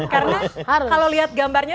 karena kalau lihat gambarnya